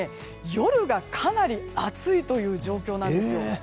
夜がかなり暑いという状況なんです。